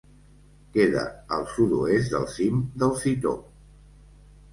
Queda al sud-oest del cim del Fitó.